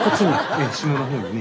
ええ下の方にね。